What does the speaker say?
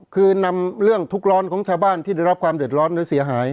คือนำเรื่องทุกร้อนของชาวบ้านที่ได้รับความเดือดร้อนหรือเสียหาย